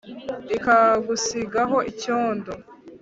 Ikagusigaho icyondo